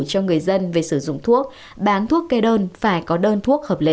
cho người dân về sử dụng thuốc bán thuốc kê đơn phải có đơn thuốc hợp lý